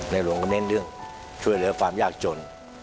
หลวงก็เน้นเรื่องช่วยเหลือความยากจน